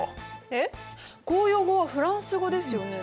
えっ公用語はフランス語ですよね。